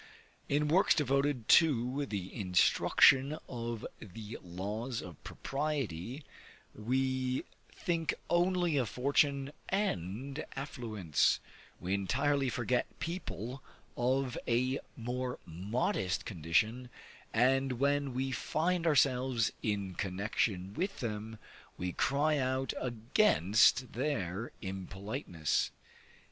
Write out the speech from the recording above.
In works devoted to the instruction of the laws of propriety, we think only of fortune and affluence; we entirely forget people of a more modest condition, and when we find ourselves in connexion with them, we cry out against their impoliteness.